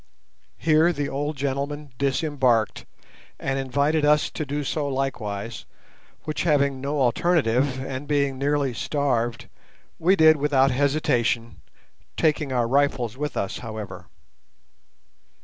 Here the old gentleman disembarked, and invited us to do so likewise, which, having no alternative, and being nearly starved, we did without hesitation—taking our rifles with us, however.